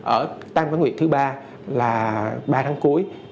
ở tăng phán nguyệt thứ ba là ba tháng cuối